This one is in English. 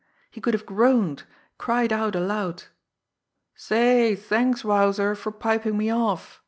He could have groaned, cried out aloud! "Say, thanks, Wowzer, for piping me off!"